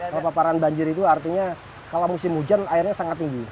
kalau paparan banjir itu artinya kalau musim hujan airnya sangat tinggi